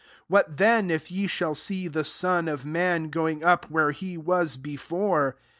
62 IVhat then if ye shall see the Son of man goings up where he was beforef